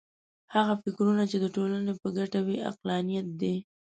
هغه فکرونه چې د ټولنې په ګټه وي عقلانیت دی.